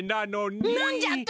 なんじゃと！？